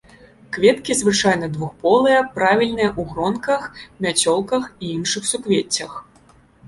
Кветкі звычайна двухполыя, правільныя ў гронках, мяцёлках і іншых суквеццях.